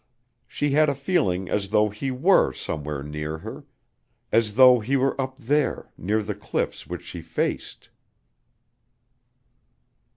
She had a feeling as though he were somewhere near her as though he were up there near the cliffs which she faced.